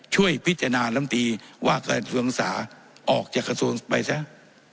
ช่วยพิจารณารมตีว่ากระดาษธวงศาออกจากคระวมมีเสร็จ